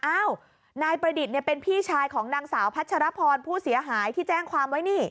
อ้าวนายประดิษฐ์เป็นพี่ชายของนางสาวพัชรพรผู้เสียหายที่แจ้งความไว้นี่